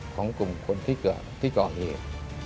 ของกลุ่มคนที่เกาะเหลียน